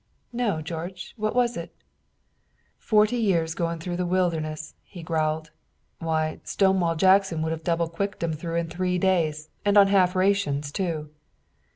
"No, George; what was it?" "Forty years going through the wilderness," he growled. "Why, Stonewall Jackson would have double quicked 'em through in three days, and on half rations, too."